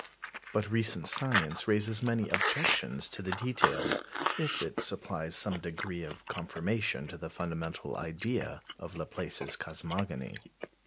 But recent science raises many objections to the details, if it supplies some degree of confirmation to the fundamental idea of Laplace's cosmogony.